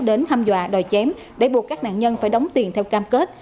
đến thăm dọa đòi chém để buộc các nạn nhân phải đóng tiền theo cam kết